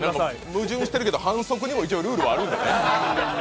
矛盾してるけど、反則にも一応ルールはあるんで。